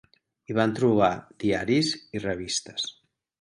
Hi van trobar diaris i revistes.